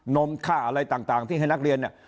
นมค่าอะไรต่างที่ให้นักเรียนเนี่ย